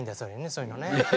そういうのね。